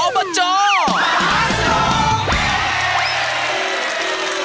อบจมหาสนุก